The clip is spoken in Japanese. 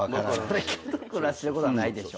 誰かと暮らしてることはないでしょ。